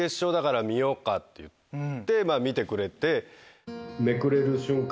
まぁ見てくれて。